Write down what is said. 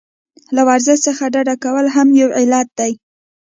له ورزش څخه ډډه کول هم یو علت دی.